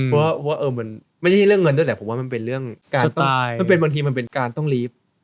เพราะว่ามันไม่ใช่เรื่องเงินด้วยแหละผมว่ามันเป็นเรื่องการต้องมันเป็นบางทีมันเป็นการต้องรีบ